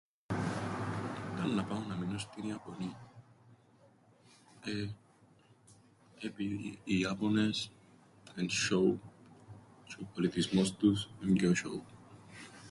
Ήταν να πάω να μείνω στην Ιαπωνίαν. Ε, επειδή οι Ιάπωνες εν' σ̆όου, τζ̆' ο πολιτισμός τους εν' πιο σ̆όου.